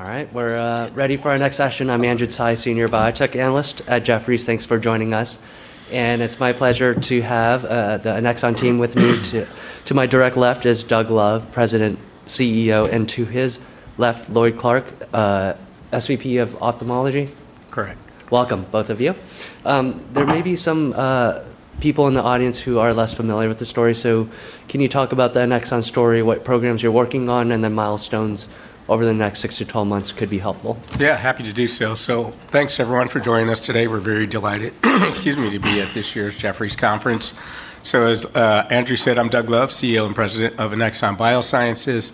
All right. We're ready for our next session. I'm Andrew Tsai, Senior Biotech Analyst at Jefferies. Thanks for joining us. It's my pleasure to have the Annexon team with me. To my direct left is Douglas Love, President, CEO, and to his left, Lloyd Clark, SVP of Ophthalmology. Correct. Welcome, both of you. There may be some people in the audience who are less familiar with the story, so can you talk about the Annexon story, what programs you're working on, and the milestones over the next six to 12 months could be helpful? Yeah, happy to do so. Thanks, everyone, for joining us today. We're very delighted, excuse me, to be at this year's Jefferies Conference. As Andrew said, I'm Douglas Love, CEO and President of Annexon Biosciences.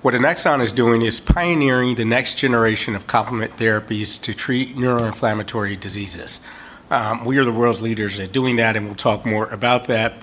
What Annexon is doing is pioneering the next generation of complement therapies to treat neuroinflammatory diseases. We are the world's leaders at doing that, and we'll talk more about that.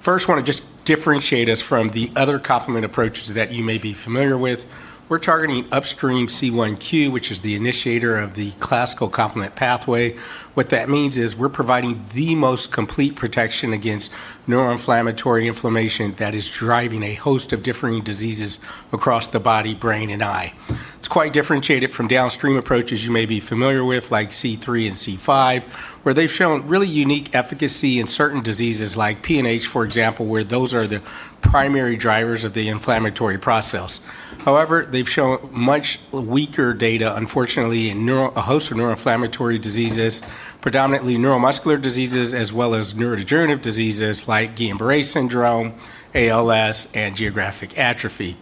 First, want to just differentiate us from the other complement approaches that you may be familiar with. We're targeting upstream C1q, which is the initiator of the classical complement pathway. What that means is we're providing the most complete protection against neuroinflammatory inflammation that is driving a host of differing diseases across the body, brain, and eye. It's quite differentiated from downstream approaches you may be familiar with, like C3 and C5, where they've shown really unique efficacy in certain diseases like PNH, for example, where those are the primary drivers of the inflammatory process. They've shown much weaker data, unfortunately, in a host of neuroinflammatory diseases, predominantly neuromuscular diseases, as well as neurodegenerative diseases like Guillain-Barré syndrome, ALS, and geographic atrophy.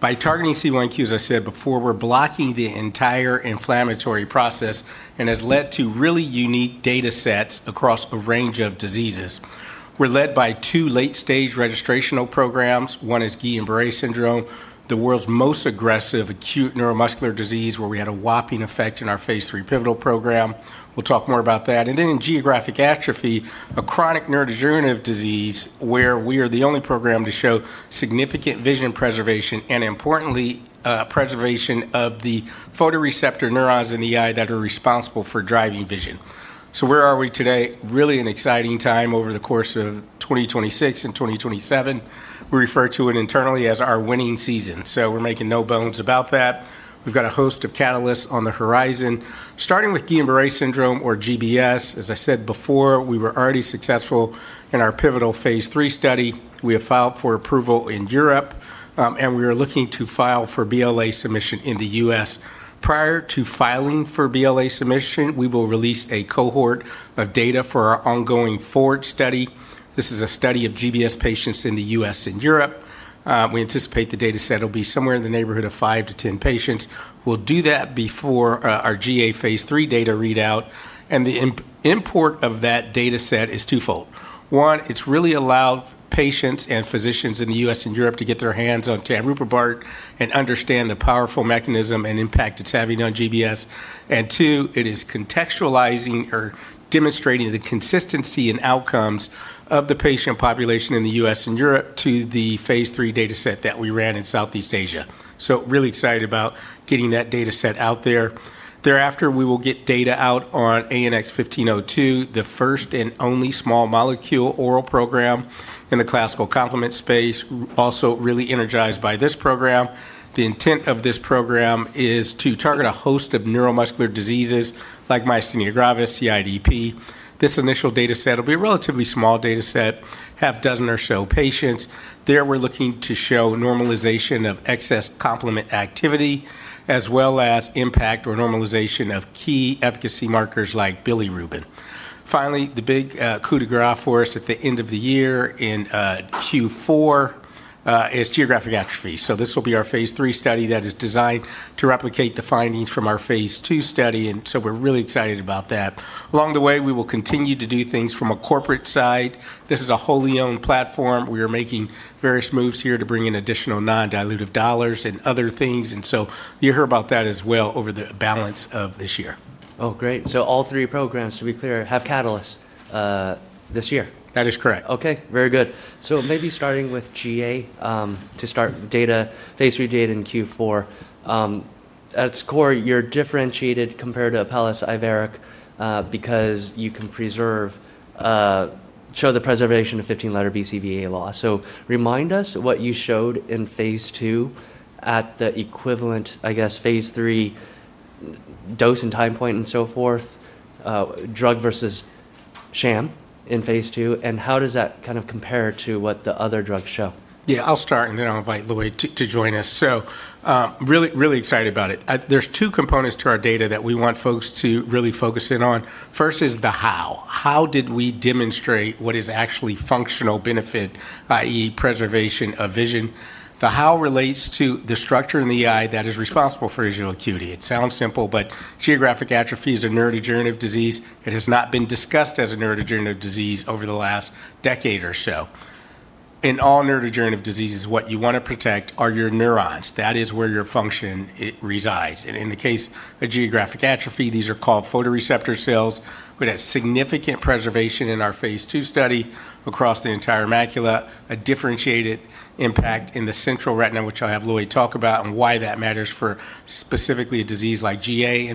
By targeting C1q, as I said before, we're blocking the entire inflammatory process and has led to really unique data sets across a range of diseases. We're led by two late-stage registrational programs. One is Guillain-Barré syndrome, the world's most aggressive acute neuromuscular disease, where we had a whopping effect in our phase III pivotal program. We'll talk more about that. In geographic atrophy, a chronic neurodegenerative disease where we are the only program to show significant vision preservation, and importantly, preservation of the photoreceptor cells in the eye that are responsible for driving vision. Where are we today? Really an exciting time over the course of 2026 and 2027. We refer to it internally as our winning season. We're making no bones about that. We've got a host of catalysts on the horizon, starting with Guillain-Barré syndrome or GBS. As I said before, we were already successful in our pivotal phase III study. We have filed for approval in Europe, and we are looking to file for BLA submission in the U.S. Prior to filing for BLA submission, we will release a cohort of data for our ongoing FORWARD study. This is a study of GBS patients in the U.S. and Europe. We anticipate the data set will be somewhere in the neighborhood of five to 10 patients. We'll do that before our GA phase III data readout, the import of that data set is twofold. One, it's really allowed patients and physicians in the U.S. and Europe to get their hands on tanruprubart and understand the powerful mechanism and impact it's having on GBS. Two, it is contextualizing or demonstrating the consistency in outcomes of the patient population in the U.S. and Europe to the phase III data set that we ran in Southeast Asia. Really excited about getting that data set out there. Thereafter, we will get data out on ANX1502, the first and only small molecule oral program in the classical complement space. Also really energized by this program. The intent of this program is to target a host of neuromuscular diseases like myasthenia gravis, CIDP. This initial data set will be a relatively small data set, half dozen or so patients. There, we're looking to show normalization of excess complement activity, as well as impact or normalization of key efficacy markers like bilirubin. Finally, the big coup de grace for us at the end of the year in Q4 is geographic atrophy. This will be our phase III study that is designed to replicate the findings from our phase II study, we're really excited about that. Along the way, we will continue to do things from a corporate side. This is a wholly owned platform. We are making various moves here to bring in additional non-dilutive dollars and other things. You'll hear about that as well over the balance of this year. Oh, great. All three programs, to be clear, have catalysts this year? That is correct. Okay. Very good. Maybe starting with GA to start data, phase III data in Q4. At its core, you're differentiated compared to Apellis Iveric because you can show the preservation of 15-letter BCVA loss. Remind us what you showed in phase II at the equivalent, I guess, phase III dose and time point and so forth, drug versus sham in phase II, and how does that compare to what the other drugs show? Yeah, I'll start, and then I'll invite Lloyd to join us. Really excited about it. There's two components to our data that we want folks to really focus in on. First is the how. How did we demonstrate what is actually functional benefit, i.e., preservation of vision? The how relates to the structure in the eye that is responsible for visual acuity. It sounds simple, but geographic atrophy is a neurodegenerative disease. It has not been discussed as a neurodegenerative disease over the last decade or so. In all neurodegenerative diseases, what you want to protect are your neurons. That is where your function resides. In the case of geographic atrophy, these are called photoreceptor cells. We had significant preservation in our phase II study across the entire macula, a differentiated impact in the central retina, which I'll have Lloyd talk about, why that matters for specifically a disease like GA.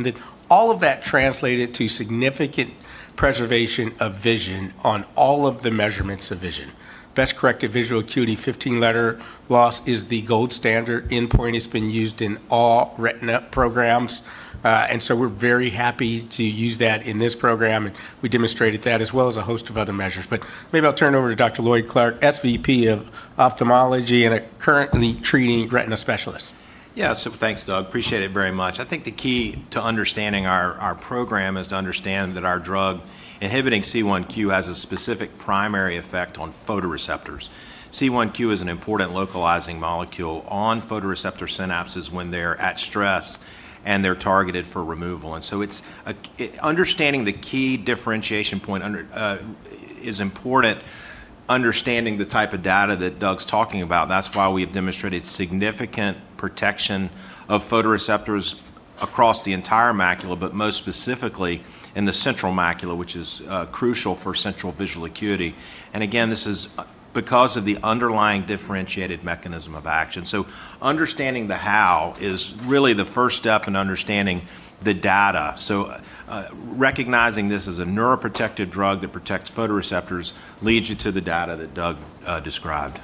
All of that translated to significant preservation of vision on all of the measurements of vision. Best corrected visual acuity, 15-letter loss is the gold standard endpoint. It's been used in all retina programs. We're very happy to use that in this program, and we demonstrated that as well as a host of other measures. Maybe I'll turn it over to Dr. Lloyd Clark, SVP of Ophthalmology and a currently treating retina specialist. Yeah. Thanks, Doug. Appreciate it very much. I think the key to understanding our program is to understand that our drug inhibiting C1q has a specific primary effect on photoreceptors. C1q is an important localizing molecule on photoreceptor synapses when they're at stress and they're targeted for removal. Understanding the key differentiation point is important, understanding the type of data that Doug's talking about. That's why we have demonstrated significant protection of photoreceptors across the entire macula, but most specifically in the central macula, which is crucial for central visual acuity. Again, this is because of the underlying differentiated mechanism of action. Understanding the how is really the first step in understanding the data. Recognizing this as a neuroprotective drug that protects photoreceptors leads you to the data that Doug described.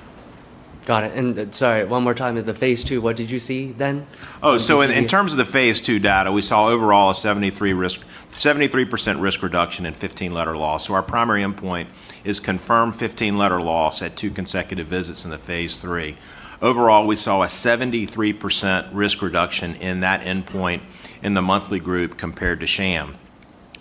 Got it. Sorry, one more time. At the phase II, what did you see then? In terms of the phase II data, we saw overall a 73% risk reduction in 15-letter loss. Our primary endpoint is confirmed 15-letter loss at two consecutive visits in the phase III. Overall, we saw a 73% risk reduction in that endpoint in the monthly group compared to sham.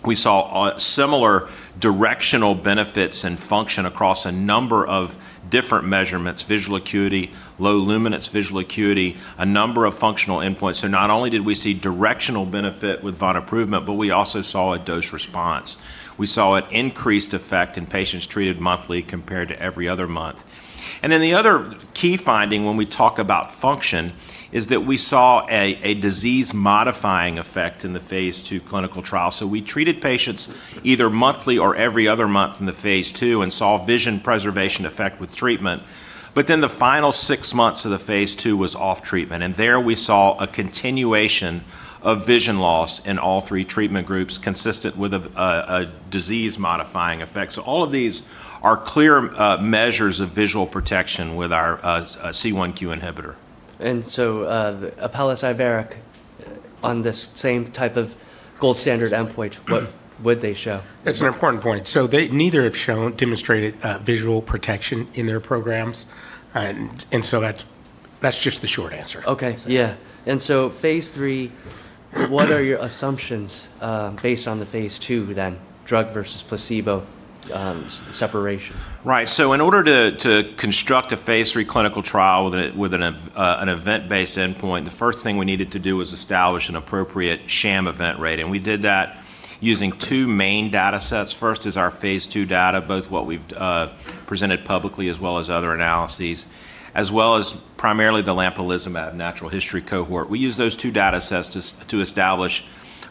We saw similar directional benefits and function across a number of different measurements: visual acuity, low luminance visual acuity, a number of functional endpoints. Not only did we see directional benefit with vonaprument, but we also saw a dose response. We saw an increased effect in patients treated monthly compared to every other month. The other key finding when we talk about function is that we saw a disease modifying effect in the phase II clinical trial. We treated patients either monthly or every other month in the phase II and saw vision preservation effect with treatment. The final six months of the phase II was off treatment. There we saw a continuation of vision loss in all three treatment groups, consistent with a disease modifying effect. All of these are clear measures of visual protection with our C1q inhibitor. Apellis Iveric on this same type of gold standard endpoint, what would they show? That's an important point. Neither have demonstrated visual protection in their programs. That's just the short answer. Okay. Yeah. What are your assumptions based on the phase II then, drug versus placebo separation? Right. In order to construct a phase III clinical trial with an event-based endpoint, the first thing we needed to do was establish an appropriate sham event rate, and we did that using two main data sets. First is our phase II data, both what we've presented publicly as well as other analyses, as well as primarily the lampalizumab natural history cohort. We used those two data sets to establish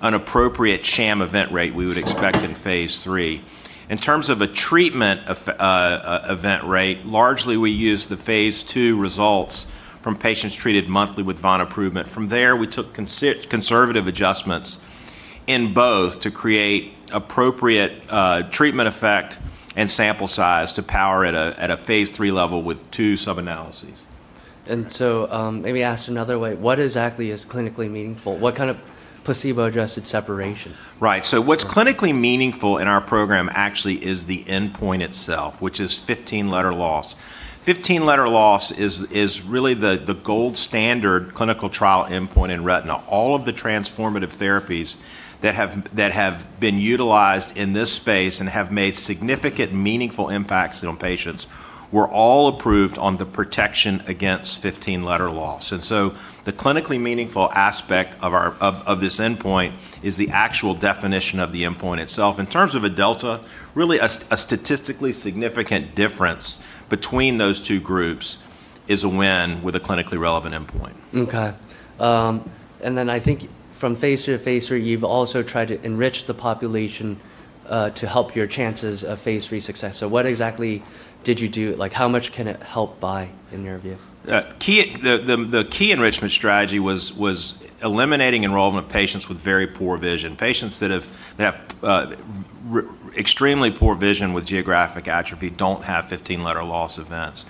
an appropriate sham event rate we would expect in phase III. In terms of a treatment event rate, largely, we used the phase II results from patients treated monthly with vonaprument. From there, we took conservative adjustments in both to create appropriate treatment effect and sample size to power at a phase III level with two sub-analyses. Maybe asked another way, what exactly is clinically meaningful? What kind of placebo-adjusted separation? Right. What's clinically meaningful in our program actually is the endpoint itself, which is 15-letter loss. 15-letter loss is really the gold standard clinical trial endpoint in retina. All of the transformative therapies that have been utilized in this space and have made significant, meaningful impacts on patients were all approved on the protection against 15-letter loss. The clinically meaningful aspect of this endpoint is the actual definition of the endpoint itself. In terms of a delta, really, a statistically significant difference between those two groups is a win with a clinically relevant endpoint. Okay. I think from phase II to phase III, you've also tried to enrich the population to help your chances of phase III success. What exactly did you do? How much can it help by, in your view? The key enrichment strategy was eliminating enrollment of patients with very poor vision. Patients that have extremely poor vision with geographic atrophy don't have 15-letter loss events.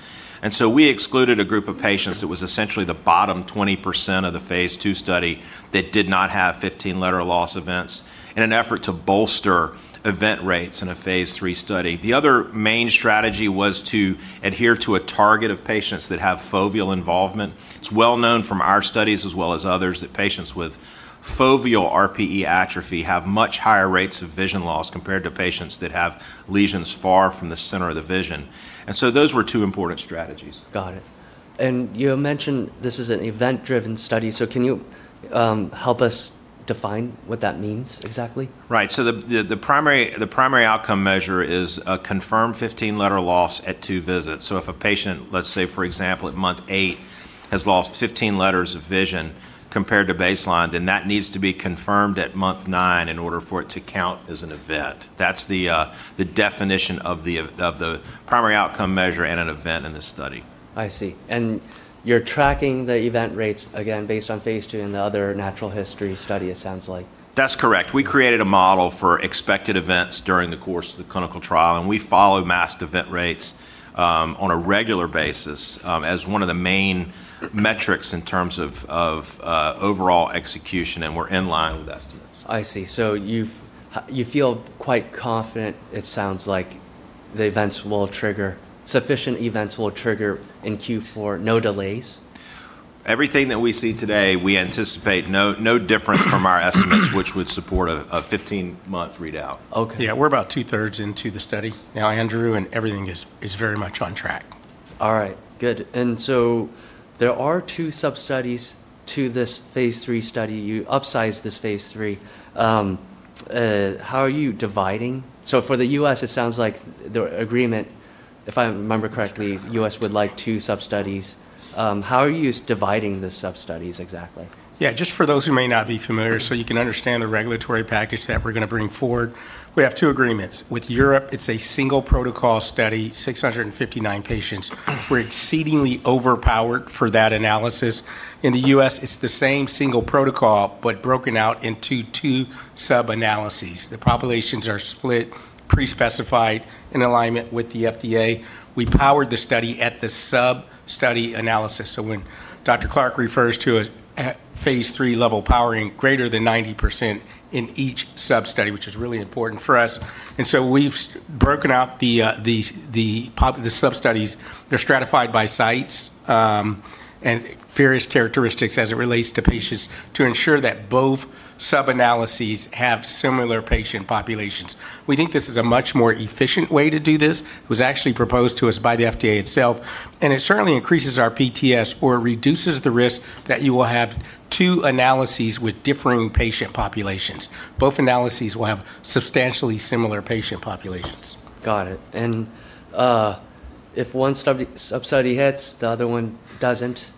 We excluded a group of patients that was essentially the bottom 20% of the phase II study that did not have 15-letter loss events in an effort to bolster event rates in a phase III study. The other main strategy was to adhere to a target of patients that have foveal involvement. It's well known from our studies as well as others, that patients with foveal RPE atrophy have much higher rates of vision loss compared to patients that have lesions far from the center of the vision. Those were two important strategies. Got it. You mentioned this is an event-driven study, so can you help us define what that means exactly? Right. The primary outcome measure is a confirmed 15-letter loss at two visits. If a patient, let's say for example at month eight, has lost 15-letters of vision compared to baseline, then that needs to be confirmed at month nine in order for it to count as an event. That's the definition of the primary outcome measure and an event in this study. I see. You're tracking the event rates, again, based on phase II and the other natural history study it sounds like. That's correct. We created a model for expected events during the course of the clinical trial, and we follow masked event rates on a regular basis as one of the main metrics in terms of overall execution, and we're in line with estimates. I see. You feel quite confident, it sounds like, sufficient events will trigger in Q4, no delays? Everything that we see today, we anticipate no difference from our estimates, which would support a 15-month readout. Okay. Yeah. We're about two thirds into the study now, Andrew, and everything is very much on track. All right, good. There are two sub-studies to this phase III study. You upsized this phase III. How are you dividing? For the U.S., it sounds like the agreement, if I remember correctly, U.S. would like two sub-studies. How are you dividing the sub-studies exactly? Yeah. Just for those who may not be familiar, so you can understand the regulatory package that we're going to bring forward, we have two agreements. With Europe, it's a single protocol study, 659 patients. We're exceedingly overpowered for that analysis. In the U.S., it's the same single protocol, but broken out into two sub-analyses. The populations are split pre-specified in alignment with the FDA. We powered the study at the sub-study analysis. When Dr. Clark refers to a phase III level powering greater than 90% in each sub-study, which is really important for us. We've broken out the sub-studies. They're stratified by sites, and various characteristics as it relates to patients to ensure that both sub-analyses have similar patient populations. We think this is a much more efficient way to do this. It was actually proposed to us by the FDA itself. It certainly increases our PTS or reduces the risk that you will have two analyses with differing patient populations. Both analyses will have substantially similar patient populations. Got it. If one sub-study hits, the other one doesn't,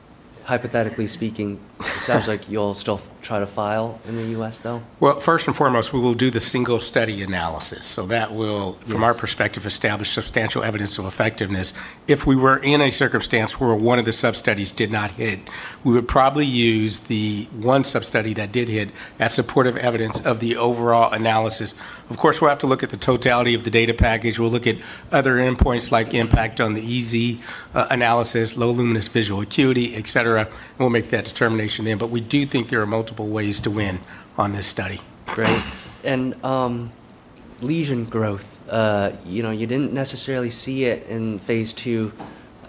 hypothetically speaking, it sounds like you'll still try to file in the U.S., though. Well, first and foremost, we will do the single study analysis that will from our perspective, establish substantial evidence of effectiveness. If we were in a circumstance where one of the sub-studies did not hit, we would probably use the one sub-study that did hit as supportive evidence of the overall analysis. Of course, we'll have to look at the totality of the data package. We'll look at other endpoints like impact on the EZ analysis, low luminance visual acuity, et cetera, and we'll make that determination then. We do think there are multiple ways to win on this study. Great. Lesion growth, you didn't necessarily see it in phase II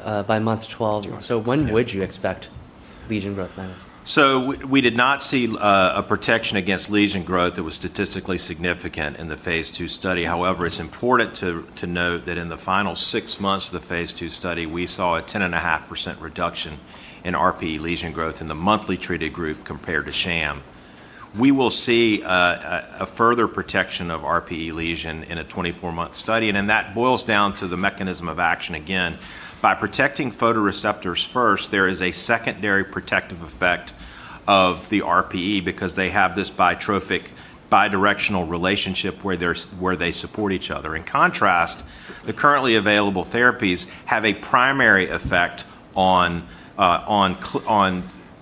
by month 12. When would you expect lesion growth then? We did not see a protection against lesion growth that was statistically significant in the phase II study. However, it's important to note that in the final six months of the phase II study, we saw a 10.5% reduction in RPE lesion growth in the monthly treated group compared to sham. We will see a further protection of RPE lesion in a 24-month study, that boils down to the mechanism of action again. By protecting photoreceptors first, there is a secondary protective effect of the RPE because they have this biotrophic bidirectional relationship where they support each other. In contrast, the currently available therapies have a primary effect on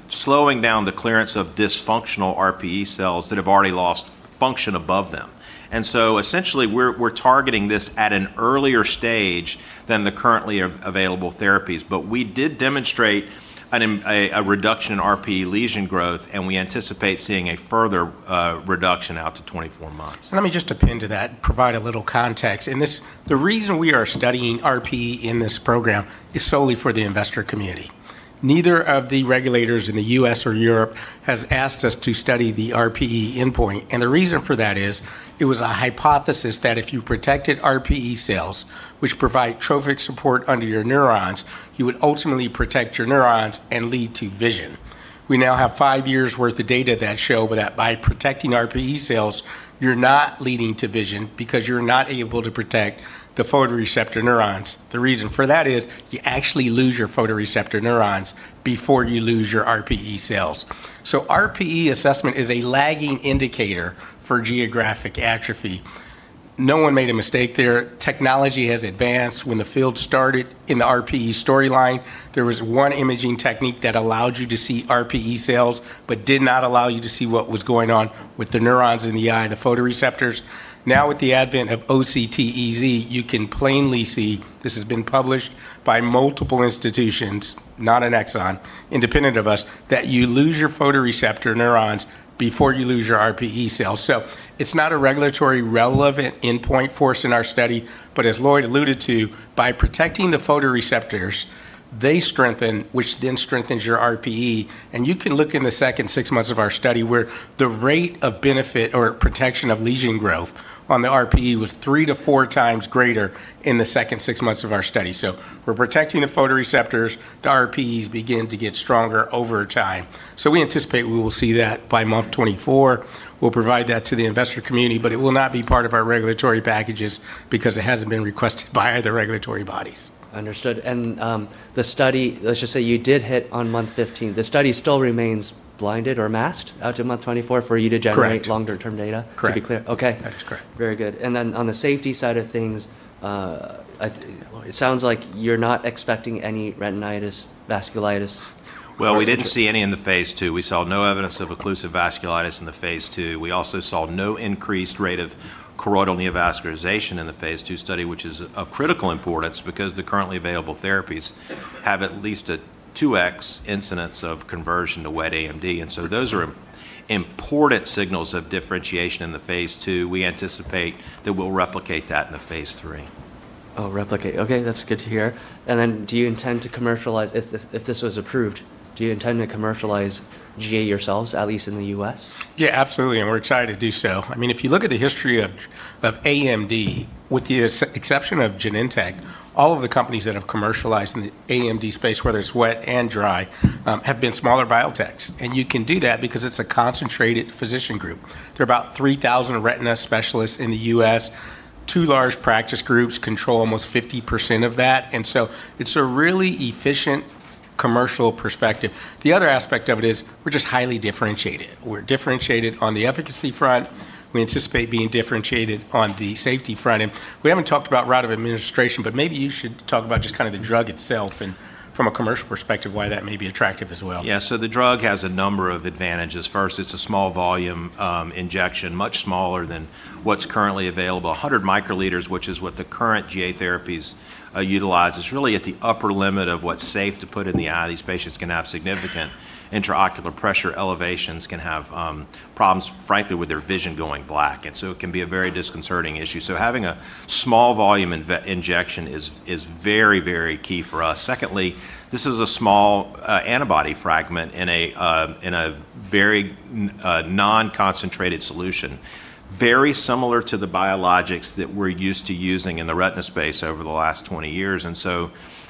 slowing down the clearance of dysfunctional RPE cells that have already lost function above them. Essentially, we're targeting this at an earlier stage than the currently available therapies. We did demonstrate a reduction in RPE lesion growth, and we anticipate seeing a further reduction out to 24 months. Let me just append to that and provide a little context. The reason we are studying RPE in this program is solely for the investor community. Neither of the regulators in the U.S. or Europe has asked us to study the RPE endpoint. The reason for that is it was a hypothesis that if you protected RPE cells, which provide trophic support under your neurons, you would ultimately protect your neurons and lead to vision. We now have five years' worth of data that show that by protecting RPE cells, you're not leading to vision because you're not able to protect the photoreceptor neurons. The reason for that is you actually lose your photoreceptor neurons before you lose your RPE cells. RPE assessment is a lagging indicator for geographic atrophy. No one made a mistake there. Technology has advanced. When the field started in the RPE storyline, there was one imaging technique that allowed you to see RPE cells but did not allow you to see what was going on with the neurons in the eye, the photoreceptors. Now with the advent of OCT EZ, you can plainly see, this has been published by multiple institutions, not in Annexon, independent of us, that you lose your photoreceptor neurons before you lose your RPE cells. It's not a regulatory relevant endpoint for us in our study, but as Lloyd alluded to, by protecting the photoreceptors, they strengthen, which then strengthens your RPE. You can look in the second six months of our study where the rate of benefit or protection of lesion growth on the RPE was three to four times greater in the second six months of our study. We're protecting the photoreceptors. The RPEs begin to get stronger over time. We anticipate we will see that by month 24. We'll provide that to the investor community, but it will not be part of our regulatory packages because it hasn't been requested by the regulatory bodies. Understood. Let's just say you did hit on month 15. The study still remains blinded or masked out to month 24 for you to generate longer-term data? That is correct. Very good. On the safety side of things, it sounds like you're not expecting any retinal vasculitis. Well, we didn't see any in the phase II. We saw no evidence of occlusive vasculitis in the phase II. We also saw no increased rate of choroidal neovascularization in the phase II study, which is of critical importance because the currently available therapies have at least a 2x incidence of conversion to wet AMD. Those are important signals of differentiation in the phase II. We anticipate that we'll replicate that in the phase III. Oh, replicate. Okay, that's good to hear. If this was approved, do you intend to commercialize GA yourselves, at least in the U.S.? Yeah, absolutely. We're excited to do so. If you look at the history of AMD, with the exception of Genentech, all of the companies that have commercialized in the AMD space, whether it's wet and dry, have been smaller biotechs. You can do that because it's a concentrated physician group. There are about 3,000 retina specialists in the U.S. Two large practice groups control almost 50% of that, so it's a really efficient commercial perspective. The other aspect of it is we're just highly differentiated. We're differentiated on the efficacy front. We anticipate being differentiated on the safety front. We haven't talked about route of administration, but maybe you should talk about just the drug itself and from a commercial perspective, why that may be attractive as well. Yeah. The drug has a number of advantages. First, it's a small volume injection, much smaller than what's currently available. 100 microliters, which is what the current GA therapies utilize, is really at the upper limit of what's safe to put in the eye. These patients can have significant intraocular pressure elevations, can have problems, frankly, with their vision going black, it can be a very disconcerting issue. Having a small volume injection is very key for us. Secondly, this is a small antibody fragment in a very non-concentrated solution. Very similar to the biologics that we're used to using in the retina space over the last 20 years.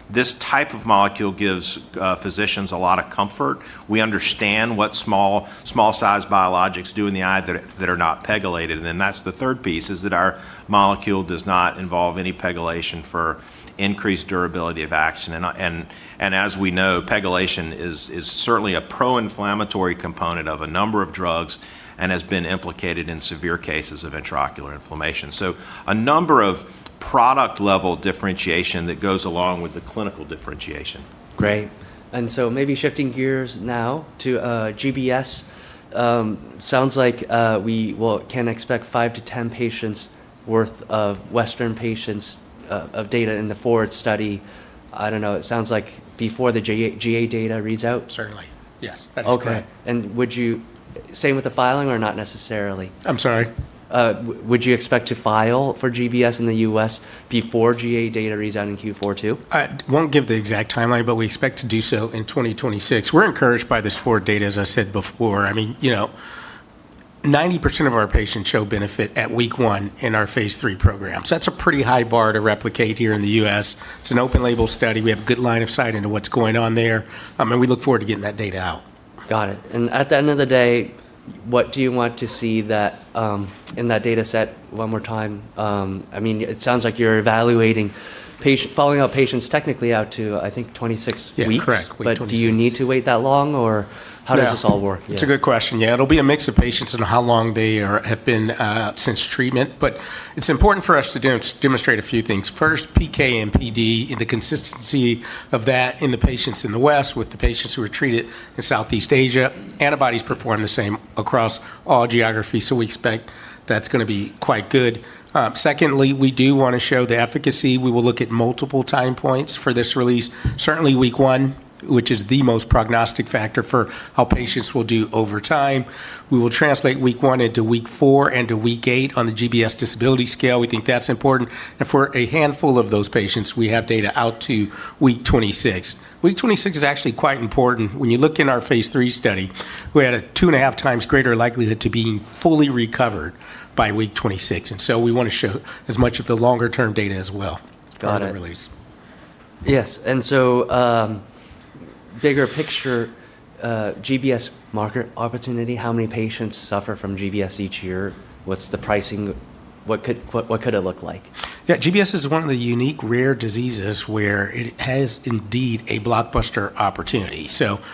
This type of molecule gives physicians a lot of comfort. We understand what small size biologics do in the eye that are not pegylated. That's the third piece, is that our molecule does not involve any pegylation for increased durability of action. As we know, pegylation is certainly a pro-inflammatory component of a number of drugs and has been implicated in severe cases of intraocular inflammation. A number of product-level differentiation that goes along with the clinical differentiation. Great. Maybe shifting gears now to GBS. Sounds like we can expect five to 10 patients worth of Western patients of data in the FORWARD study, I don't know, it sounds like before the GA data reads out? Certainly, yes. That is correct. Would you expect to file for GBS in the U.S. before GA data reads out in Q4 too? I won't give the exact timeline, but we expect to do so in 2026. We're encouraged by this FORWARD data, as I said before. 90% of our patients show benefit at week one in our phase III programs. That's a pretty high bar to replicate here in the U.S. It's an open-label study. We have a good line of sight into what's going on there, and we look forward to getting that data out. Got it. At the end of the day, what do you want to see in that data set one more time? It sounds like you're following up patients technically out to, I think, 26 weeks. Yeah. Correct. Week 26. Do you need to wait that long, or how does this all work? Yeah. It's a good question. Yeah. It'll be a mix of patients and how long they have been since treatment. It's important for us to demonstrate a few things. First, PK and PD and the consistency of that in the patients in the West with the patients who were treated in Southeast Asia. Antibodies perform the same across all geographies, we expect that's going to be quite good. Secondly, we do want to show the efficacy. We will look at multiple time points for this release. Certainly week one, which is the most prognostic factor for how patients will do over time. We will translate week one into week four and to week eight on the GBS disability scale. We think that's important. For a handful of those patients, we have data out to week 26. Week 26 is actually quite important. When you look in our phase III study, we had a two and a half times greater likelihood to being fully recovered by week 26. We want to show as much of the longer-term data as well on the release. Yes. Bigger picture, GBS market opportunity, how many patients suffer from GBS each year? What's the pricing? What could it look like? Yeah. GBS is one of the unique rare diseases where it has indeed a blockbuster opportunity.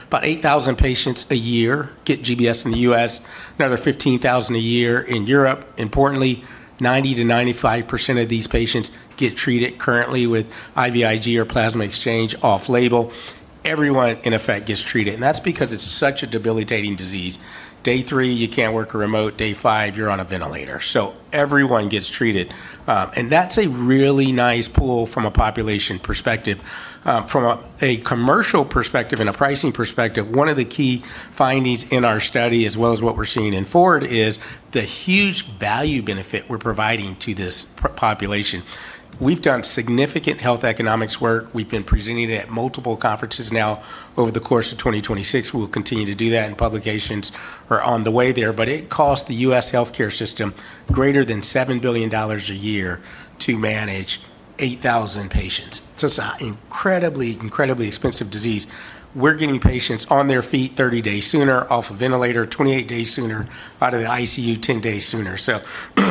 About 8,000 patients a year get GBS in the U.S., another 15,000 a year in Europe. Importantly, 90%-95% of these patients get treated currently with IVIG or plasma exchange off-label. Everyone, in effect, gets treated. That's because it's such a debilitating disease. Day three, you can't work remote. Day five, you're on a ventilator. Everyone gets treated. That's a really nice pool from a population perspective. From a commercial perspective and a pricing perspective, one of the key findings in our study as well as what we're seeing in FORWARD is the huge value benefit we're providing to this population. We've done significant health economics work. We've been presenting it at multiple conferences now over the course of 2026. We will continue to do that. Publications are on the way there, but it costs the U.S. healthcare system greater than $7 billion a year to manage 8,000 patients. It's an incredibly expensive disease. We're getting patients on their feet 30 days sooner, off a ventilator 28 days sooner, out of the ICU 10 days sooner.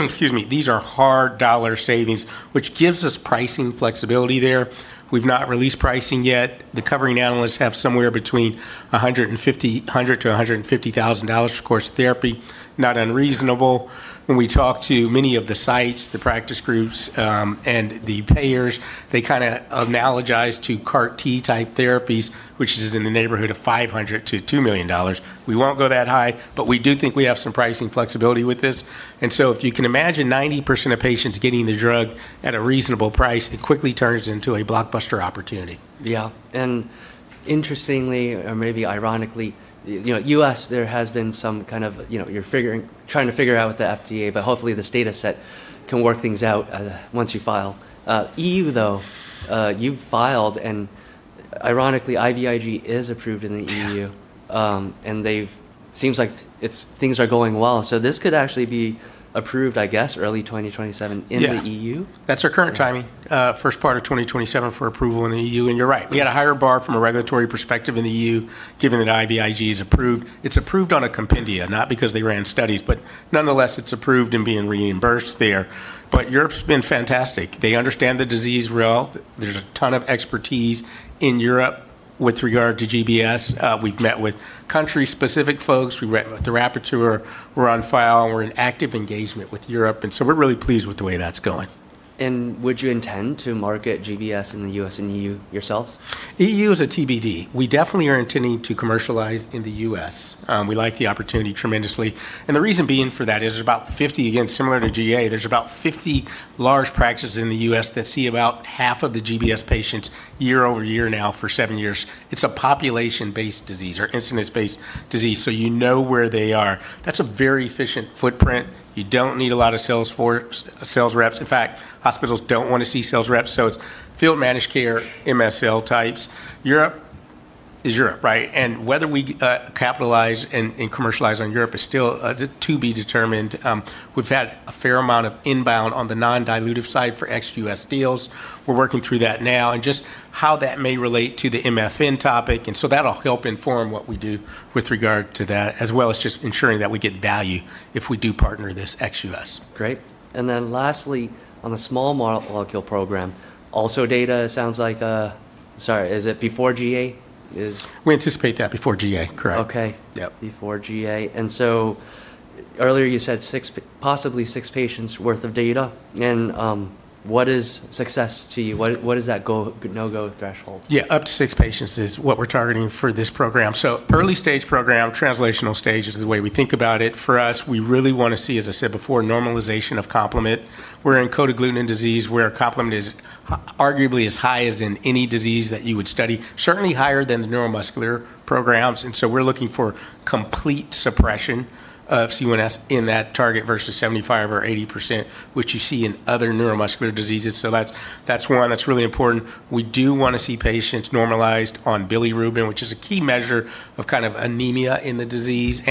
Excuse me. These are hard dollar savings, which gives us pricing flexibility there. We've not released pricing yet. The covering analysts have somewhere between $100,000-$150,000 per course of therapy. Not unreasonable. When we talk to many of the sites, the practice groups, and the payers, they analogize to CAR T-type therapies, which is in the neighborhood of $500-$2 million. We won't go that high. We do think we have some pricing flexibility with this. If you can imagine 90% of patients getting the drug at a reasonable price, it quickly turns into a blockbuster opportunity. Yeah. Interestingly or maybe ironically, U.S., there has been some, you're trying to figure out with the FDA, hopefully this data set can work things out once you file. E.U. though, you've filed. Ironically, IVIG is approved in the E.U., and it seems like things are going well. This could actually be approved, I guess, early 2027 in the E.U.? That's our current timing. First part of 2027 for approval in the E.U. You're right. We had a higher bar from a regulatory perspective in the E.U., given that IVIG is approved. It's approved on a compendia, not because they ran studies, but nonetheless, it's approved and being reimbursed there. Europe's been fantastic. They understand the disease well. There's a ton of expertise in Europe with regard to GBS. We've met with country-specific folks. We've met with the rapporteur. We're on file. We're in active engagement with Europe. We're really pleased with the way that's going. Would you intend to market GBS in the U.S. and E.U. yourselves? E.U. is a TBD. We definitely are intending to commercialize in the U.S. We like the opportunity tremendously. The reason being for that is, again, similar to GA, there's about 50 large practices in the U.S. that see about half of the GBS patients year-over-year now for seven years. It's a population-based disease or incidence-based disease, so you know where they are. That's a very efficient footprint. You don't need a lot of sales reps. In fact, hospitals don't want to see sales reps, so it's field-managed care, MSL types. Europe is Europe, right? Whether we capitalize and commercialize on Europe is still to be determined. We've had a fair amount of inbound on the non-dilutive side for ex-U.S. deals. We're working through that now. Just how that may relate to the MFN topic, that'll help inform what we do with regard to that, as well as just ensuring that we get value if we do partner this ex-U.S. Great. Lastly, on the small molecule program, also data sounds like Sorry, is it before GA? We anticipate that before GA, correct? Okay. Yeah. Before GA. Earlier you said possibly six patients' worth of data. What is success to you? What is that go, no go threshold? Yeah. Up to six patients is what we're targeting for this program. Early-stage program, translational stage is the way we think about it. For us, we really want to see, as I said before, normalization of complement. We're in cold agglutinin disease, where our complement is arguably as high as in any disease that you would study, certainly higher than the neuromuscular programs. We're looking for complete suppression of C1s in that target versus 75% or 80%, which you see in other neuromuscular diseases. That's one that's really important. We do want to see patients normalized on bilirubin, which is a key measure of kind of anemia in the disease.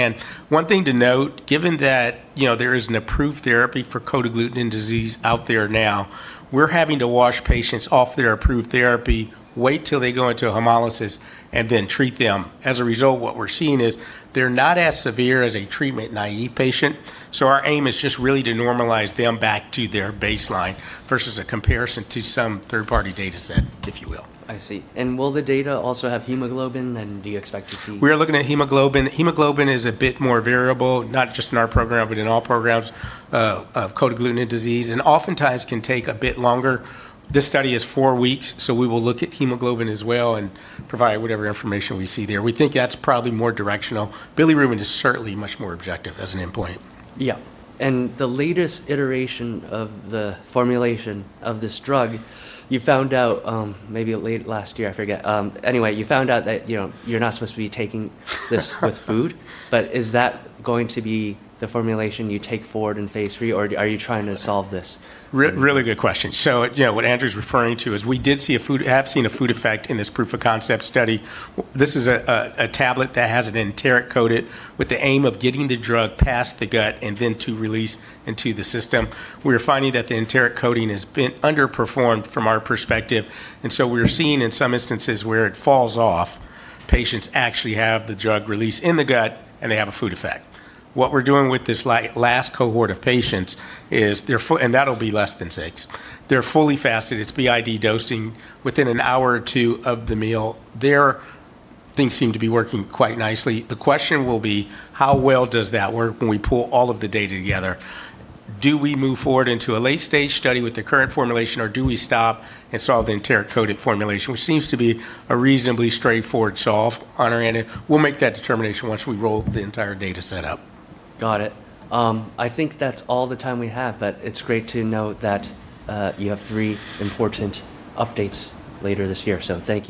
One thing to note, given that there is an approved therapy for cold agglutinin disease out there now, we're having to wash patients off their approved therapy, wait till they go into hemolysis, and then treat them. As a result, what we're seeing is they're not as severe as a treatment-naive patient. Our aim is just really to normalize them back to their baseline versus a comparison to some third-party data set, if you will. I see. Will the data also have hemoglobin? Do you expect to see- We are looking at hemoglobin. Hemoglobin is a bit more variable, not just in our program, but in all programs of cold agglutinin disease, and oftentimes can take a bit longer. This study is four weeks, so we will look at hemoglobin as well and provide whatever information we see there. We think that's probably more directional. Bilirubin is certainly much more objective as an endpoint. Yeah. The latest iteration of the formulation of this drug, you found out maybe late last year, I forget. Anyway, you found out that you're not supposed to be taking this with food. But is that going to be the formulation you take forward in phase III, or are you trying to solve this? Really good question. Yeah. What Andrew's referring to is we have seen a food effect in this proof of concept study. This is a tablet that has an enteric coating with the aim of getting the drug past the gut and then to release into the system. We are finding that the enteric coating has been underperformed from our perspective, we're seeing in some instances where it falls off, patients actually have the drug release in the gut, and they have a food effect. What we're doing with this last cohort of patients, that'll be less than six, they're fully fasted. It's BID dosing within an hour or two of the meal. There, things seem to be working quite nicely. The question will be, how well does that work when we pull all of the data together? Do we move forward into a late-stage study with the current formulation, or do we stop and solve the enteric-coated formulation? Which seems to be a reasonably straightforward solve on our end. We'll make that determination once we roll the entire data set up. Got it. I think that's all the time we have, but it's great to note that you have three important updates later this year. Thank you.